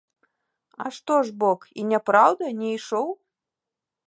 А што ж, бок, і няпраўда, не ішоў?